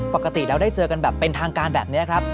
ปกติเราได้เจอกันแบบเป็นทางการแบบนี้ครับ